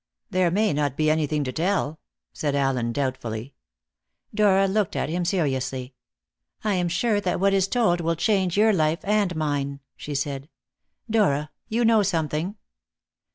"There may not be anything to tell," said Allen doubtfully. Dora looked at him seriously. "I am sure that what is told will change your life and mine," she said. "Dora! you know something?"